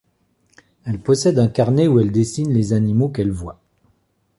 Elle possède un carnet où elle dessine les animaux qu'elle voit.